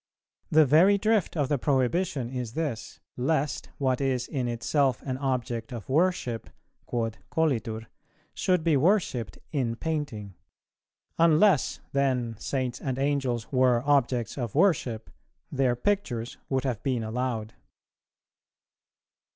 The very drift of the prohibition is this, lest what is in itself an object of worship (quod colitur) should be worshipped in painting; unless then Saints and Angels were objects of worship, their pictures would have been allowed.